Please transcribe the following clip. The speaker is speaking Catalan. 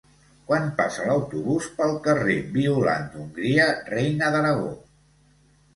Quan passa l'autobús pel carrer Violant d'Hongria Reina d'Aragó?